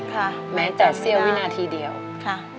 ค่ะแม้แต่เซียววินาทีเดียวโมงค่ะ